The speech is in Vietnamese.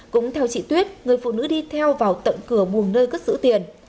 cũng theo chị thuyết người phụ nữ đi theo vào tận cửa buồn nơi cất giữ tiền